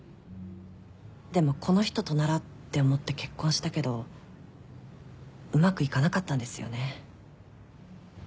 でもこの人とならって思って結婚したけどうまくいかなかったんですよね。